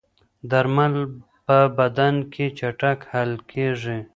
درمل په بدن کې چټک حل کېږي.